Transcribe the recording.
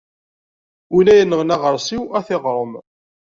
Win ara yenɣen aɣeṛsiw, ad t-iɣrem.